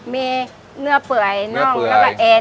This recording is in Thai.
มีเนื้อเปื่อยน่องแล้วก็แอน